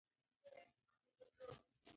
مور یې ورته د صبر او زغم مشوره ورکړه.